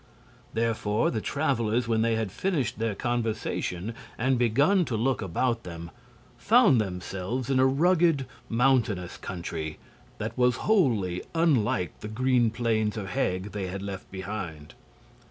Therefore the travelers, when they had finished their conversation and begun to look about them, found themselves in a rugged, mountainous country that was wholly unlike the green plains of Heg they had left behind.